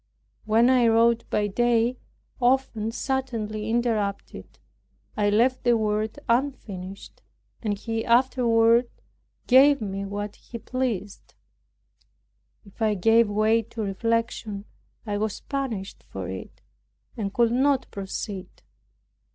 When I wrote by day, often suddenly interrupted, I left the word unfinished, and He afterward gave me what He pleased. If I gave way to reflection I was punished for it, and could not proceed.